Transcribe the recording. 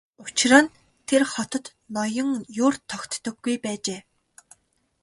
Учир нь тэр хотод ноён ер тогтдоггүй байжээ.